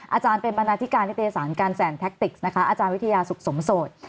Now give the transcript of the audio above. อาจารย์เป็นบรรณาธิการนิตยสารการแสนแท็กติกนะคะอาจารย์วิทยาสุขสมโสด